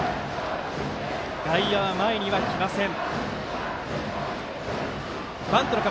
外野は前には来ません。